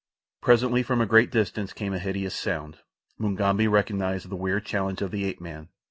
Presently from a great distance came a hideous sound. Mugambi recognized the weird challenge of the ape man.